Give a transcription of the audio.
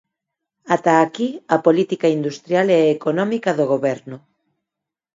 Ata aquí a política industrial e económica do Goberno.